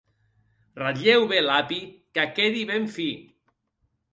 Ratlleu bé l'api, que quedi ben fi.